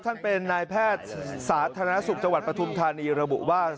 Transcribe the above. ท่านเป็นนายแพทย์สาธารณสุขจังหวัดปฐุมธานีระบุว่า